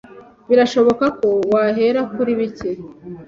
birashoboka ko wahera kuri bike.